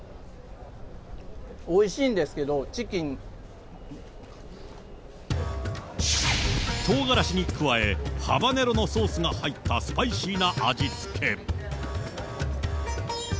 おいしいんですけど、とうがらしに加え、ハバネロのソースが入ったスパイシーな味付け。